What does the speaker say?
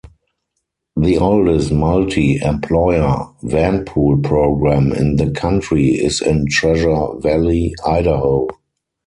The oldest multi-employer vanpool program in the country is in Treasure Valley, Idaho.